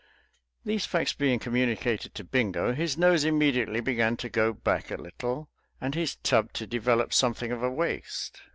These facts being communicated to Bingo, his nose immediately began to go back a little and his tub to develop something of a waist.